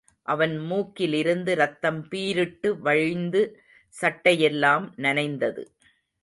அவன் மூக்கிலிருந்து ரத்தம் பீரிட்டு வழிந்து சட்டையெல்லாம் நனைந்தது.